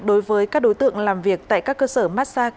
đối với các đối tượng làm việc tại các cơ sở massage